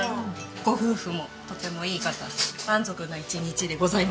ご夫婦もとてもいい方で満足な１日でございました。